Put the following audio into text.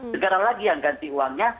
negara lagi yang ganti uangnya